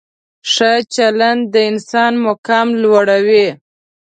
ښه چلند د انسان مقام لوړوي.